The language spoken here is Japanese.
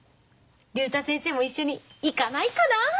竜太先生も一緒に行かないかな。